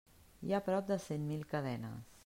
Hi ha prop de cent mil cadenes.